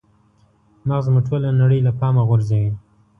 مغز مو ټوله نړۍ له پامه غورځوي.